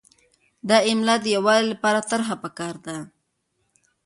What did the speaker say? د املاء د یووالي لپاره طرحه پکار ده.